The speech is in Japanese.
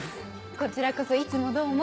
こちらこそいつもどうも。